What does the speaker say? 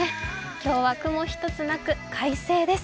今日は雲一つなく、快晴です。